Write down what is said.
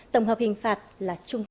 tổng hợp hình phạt là trung thân